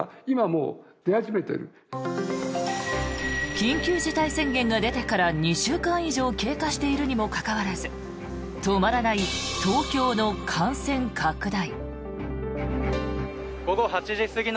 緊急事態宣言が出てから２週間以上経過しているにもかかわらず止まらない東京の感染拡大。